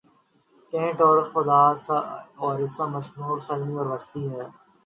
کنیت ابو خالد اور اسم منسوب سلمی اور واسطی ہے